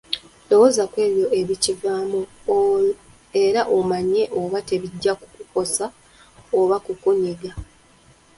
Lowooza ku ebyo ebikivaamu era omanye oba tebijja kukosa oba kukunyiga.